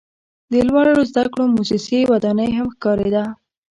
د لوړو زده کړو موسسې ودانۍ هم ښکاریده.